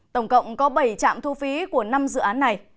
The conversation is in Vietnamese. tổng cộng có bảy trạm thu phí của năm dự án này